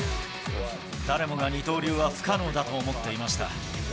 誰もが二刀流は不可能だと思っていました。